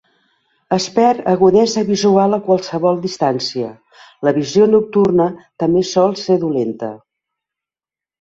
Es perd agudesa visual a qualsevol distància. La visió nocturna també sol ser dolenta.